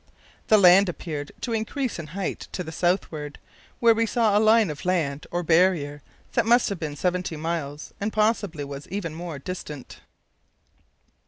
The land appeared to increase in height to the southward, where we saw a line of land or barrier that must have been seventy miles, and possibly was even more distant.